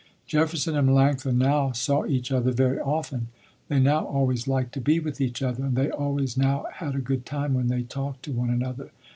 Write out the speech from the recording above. Jefferson and Melanctha now saw each other, very often. They now always liked to be with each other, and they always now had a good time when they talked to one another.